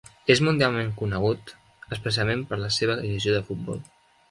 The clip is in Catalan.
És mundialment conegut, especialment per la seva divisió de futbol.